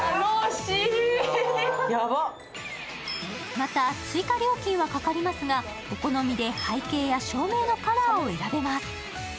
また、追加料金はかかりますがお好みで背景や照明のカラーを選べます。